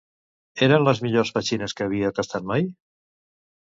Eren les millors petxines que havia tastat mai?